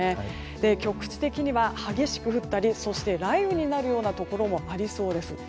局地的には激しく降ったり雷雨になるところもありそうです。